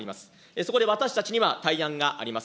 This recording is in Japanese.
そこで私たちには対案があります。